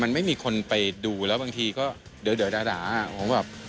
มันไม่มีคนไปดูแล้วบางทีก็เดี๋ยวด่าผมแบบ